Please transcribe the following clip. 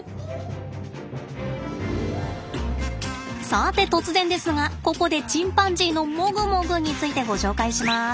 さて突然ですがここでチンパンジーのもぐもぐについてご紹介します！